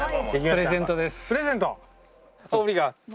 プレゼント！